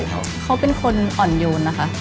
ของเจ้าเขาเป็นคนอ่อนโยนนะฮะ